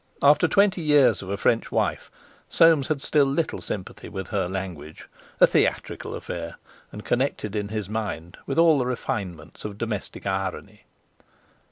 After twenty years of a French wife Soames had still little sympathy with her language; a theatrical affair and connected in his mind with all the refinements of domestic irony.